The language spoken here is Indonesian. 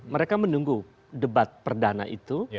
mereka menunggu debat perdana itu